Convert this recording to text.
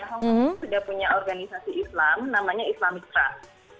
hongkong sudah punya organisasi islam namanya islamic trust